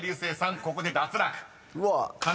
ここで脱落！］